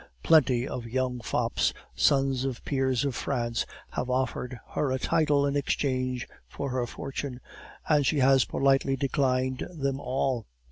Plenty of young fops, sons of peers of France, have offered her a title in exchange for her fortune, and she has politely declined them all.